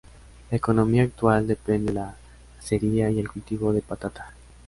La economía actual depende de la acería y el cultivo de patata.